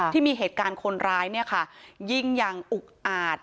ที่มีเหตุการณ์คนร้ายยิงอย่างอุกอาจ